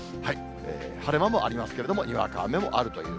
晴れ間もありますけれども、にわか雨もあるという。